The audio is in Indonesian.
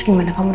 gak pernah liat